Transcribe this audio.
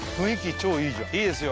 超いいじゃんいいですよ